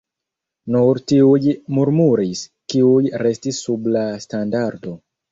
Nur tiuj murmuris, kiuj restis sub la standardo.